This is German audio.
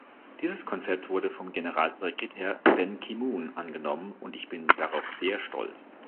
Dieses Konzept wurde vom Generalsekretär Ben Ki-moon angenommen und ich bin darauf sehr stolz.